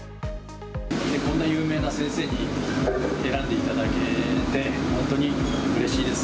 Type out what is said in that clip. こんな有名な先生に選んでいただけて、本当にうれしいです。